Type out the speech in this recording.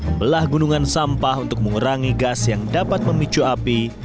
membelah gunungan sampah untuk mengurangi gas yang dapat memicu api